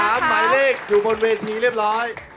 ทั้ง๓ไหมเลขอยู่บนเวทีเรียบร้อย